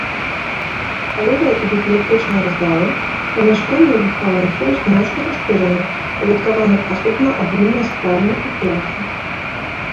Сталовая і бібліятэчная залы, памяшканні выхаванцаў значна пашыраны, уладкаваны асобна агульныя спальні і класы.